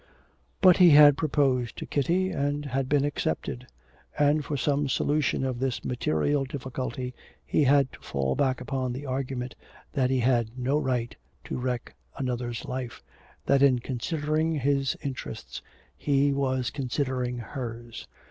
But he had proposed to Kitty and had been accepted, and for some solution of this material difficulty he had to fall back upon the argument that he had no right to wreck another's life, that in considering his interests he was considering hers.